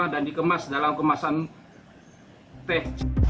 dan dikemas dalam kemasan teh